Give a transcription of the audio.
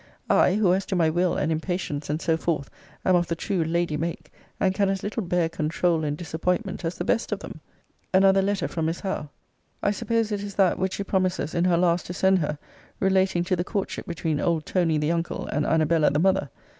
I, who, as to my will, and impatience, and so forth, am of the true lady make, and can as little bear controul and disappointment as the best of them! Another letter from Miss Howe. I suppose it is that which she promises in her last to send her relating to the courtship between old Tony the uncle, and Annabella the mother.